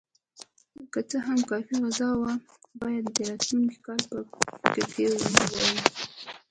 که څه هم کافي غذا وه، باید د راتلونکي کال په فکر کې وای.